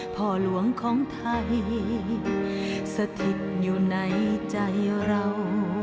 พ่อหลวงของไทยสถิตอยู่ในใจเรา